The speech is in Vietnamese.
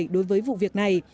đối với vụ việc này